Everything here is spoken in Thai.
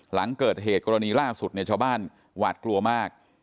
หลังเกิดเหตุกรณีล่าสุดเนี่ยชาวบ้านหวาดกลัวมาก